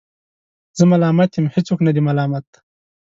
زه ملامت یم ، هیڅوک نه دی ملامت